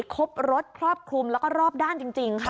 ครบรถครอบคลุมแล้วก็รอบด้านจริงค่ะ